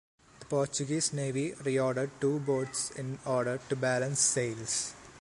The Portuguese Navy reordered two boats in order to balance sales.